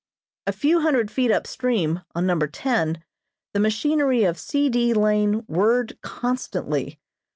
A few hundred feet up stream, on Number Ten, the machinery of C. D. Lane whirred constantly.